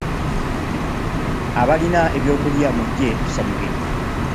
Abalina ebyokulya mujje tusanyuke.